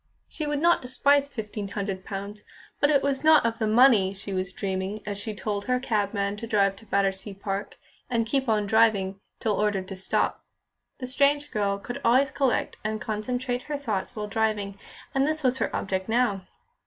She would not despise fifteen hundred pounds; but it was not of the money she was dreaming as she told her cabman to drive to Battersea Park, and keep on driving till ordered to stop. The strange girl could always collect and concentrate her thoughts while driving, and this was her object now.